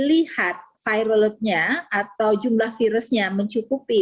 melihat viralnya atau jumlah virusnya mencukupi